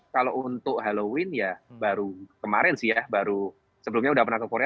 kalau untuk halloween ya baru kemarin sih ya baru sebelumnya udah pernah ke korea